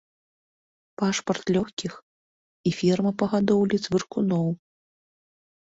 Пашпарт лёгкіх і ферма па гадоўлі цвыркуноў.